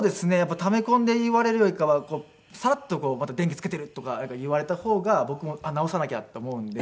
ため込んで言われるよりかはサラッと「また電気つけてる」とか言われた方が僕も「あっ直さなきゃ」と思うんで。